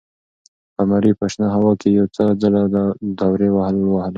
قمري په شنه هوا کې یو څو ځله دورې ووهلې.